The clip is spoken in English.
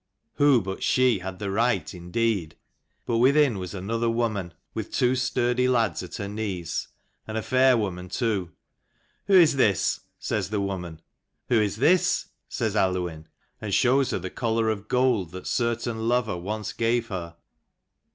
Who but she had the right, indeed ? But within was another woman, with two sturdy lads at her knees, and a fair woman too. " Who is this ?" says the woman. "Who is this?" says Aluinn, and shows the collar of gold that certain lover once gave her.